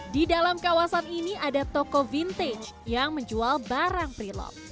di dalam kawasan ini ada toko vintage yang menjual barang prelok